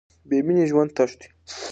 بې مینې ژوند تش دی.